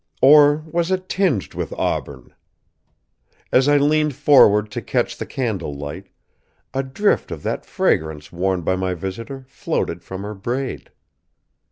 Or was it tinged with auburn? As I leaned forward to catch the candle light, a drift of that fragrance worn by my visitor floated from her braid.